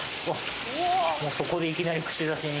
もうそこでいきなり串刺しに。